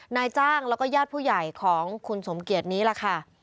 นายจ้างแล้วก็ญาติผู้ใหญ่ของคุณสมเกียจนี้ล่ะค่ะ